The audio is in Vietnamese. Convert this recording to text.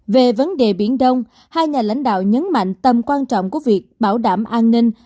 về vấn đề biển đông hai nhà lãnh đạo nhấn mạnh tầm quan trọng của việc bảo đảm an ninh